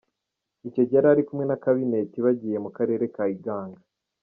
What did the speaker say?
Icyo gihe yari kumwe na kabineti bagiye mu karere ka Iganga.